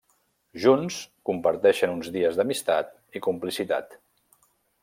Junts, comparteixen uns dies d'amistat i complicitat.